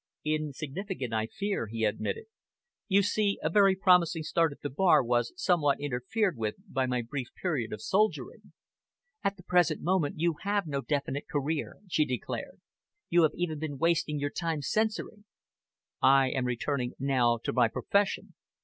"Insignificant, I fear," he admitted. "You see, a very promising start at the Bar was somewhat interfered with by my brief period of soldiering." "At the present moment you have no definite career," she declared. "You have even been wasting your time censoring." "I am returning now to my profession."